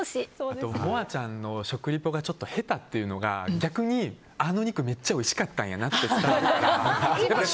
あと、もあちゃんの食リポがちょっと下手っていうのが逆にあのお肉めっちゃおいしかったんやろなって伝わるから。